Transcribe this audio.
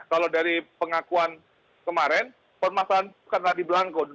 kalau dari pengakuan kemarin permasalahan bukanlah di belangku